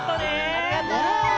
・ありがとう。